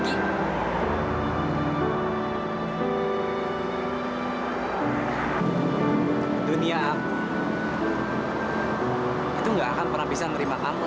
akhirnya aku mau lawan mencoba kegiatanmu